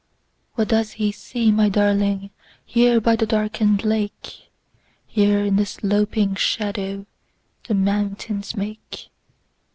What does he see, my darlingHere by the darkened lake? Here, in the sloping shadowThe mountains make?